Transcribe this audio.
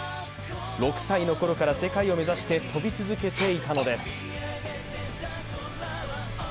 ６歳の頃から世界を目指して跳び続けていたのです。